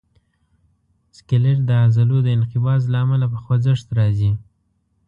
سکلیټ د عضلو د انقباض له امله په خوځښت راځي.